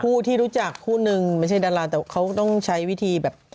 ผู้ที่รู้จักคู่นึงไม่ใช่ดาราแต่เขาต้องใช้วิธีแบบ